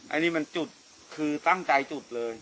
อันนี้มันจุดคือตั้งใจจุดเลย